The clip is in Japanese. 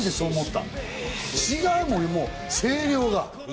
違うもんね、声量が。